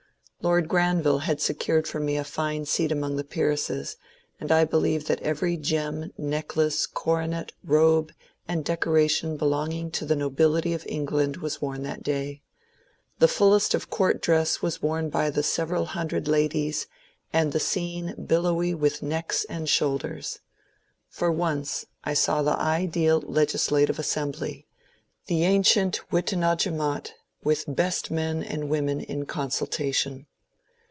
Lord Granville had secured for me a fine seat among the peeresses, and I believe that every gem, necklace, coronet, robe, and decoration belonging to the nobility of England was worn that day. The fullest of court dress was worn by the several hundred ladies, and the scene billowy with necks and shoulders. For once I saw the ideal legislative assembly, — the ancient Witenagemote, with best men and women in con sultation.